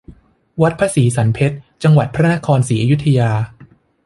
วัดพระศรีสรรเพชญ์ จังหวัดพระนครศรีอยุธยา